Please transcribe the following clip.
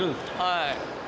はい。